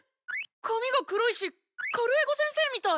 ⁉髪が黒いしカルエゴ先生みたい！